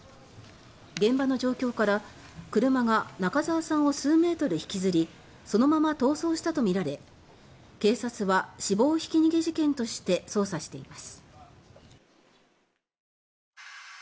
現場の状況から車が中澤さんを数メートル引きずりそのまま逃走したとみられ警察は死亡ひき逃げ事件として捜査しています。